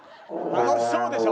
「楽しそうでしょ？」